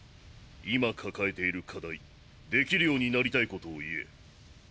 今抱えている課題出来るようになりたいことを言え。